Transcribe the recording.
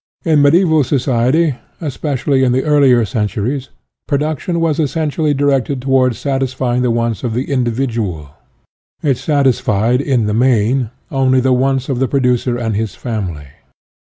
In mediaeval society especially in the ear lier centuries, production was essentially directed towards satisfying the wants of the individual. It satisfied, in the main, only the wants of the producer and his family.